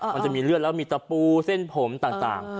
มันจะมีเลือดแล้วมีตะปูเส้นผมต่าง